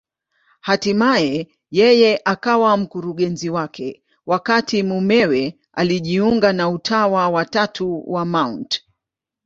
Hatimaye yeye akawa mkurugenzi wake, wakati mumewe alijiunga na Utawa wa Tatu wa Mt.